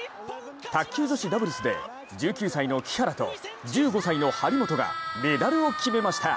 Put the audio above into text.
卓球女子ダブルスで１９歳の木原と１５歳の張本がメダルを決めました。